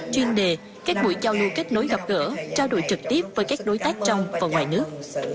chuyên đề các buổi giao lưu kết nối gặp gỡ trao đổi trực tiếp với các đối tác trong và ngoài nước